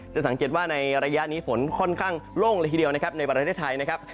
จะสังเกตว่าในระยะนี้ฝนค่อนข้างโล่งเลยทีเดียวนะครับในประเทศไทยนะครับ